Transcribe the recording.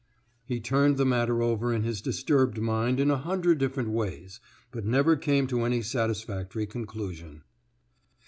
He turned the matter over in his disturbed mind in a hundred different ways, but never came to any satisfactory conclusion.